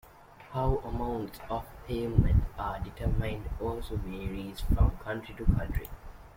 How amounts of payment are determined also varies from country to country.